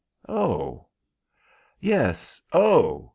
"Oh!" "Yes, oh!